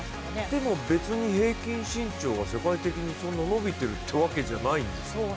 でも平均身長が世界的にそんな伸びてるというわけじゃないんです。